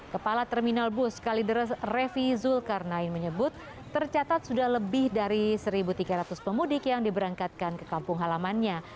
kepala terminal bus kalideres revi zulkarnain menyebut tercatat sudah lebih dari satu tiga ratus pemudik yang diberangkatkan ke kampung halamannya